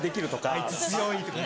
あいつ強いとか。